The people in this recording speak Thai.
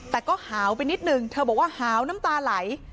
แต่ก็หาวไปนิดนึงเธอบอกว่าหาวน้ำตาไหล